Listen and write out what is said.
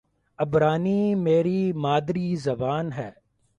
عبرانی میری مادری زبان ہے